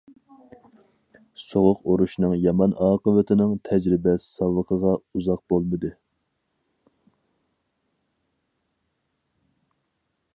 سوغۇق ئۇرۇشنىڭ يامان ئاقىۋىتىنىڭ تەجرىبە- ساۋىقىغا ئۇزاق بولمىدى.